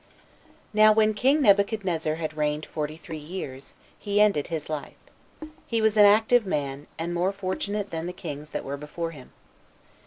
1. Now when king Nebuchadnezzar had reigned forty three years, 20 he ended his life. He was an active man, and more fortunate than the kings that were before him.